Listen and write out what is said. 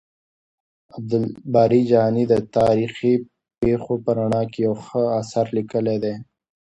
عبدالباري جهاني د تاريخي پېښو په رڼا کې يو ښه اثر ليکلی دی.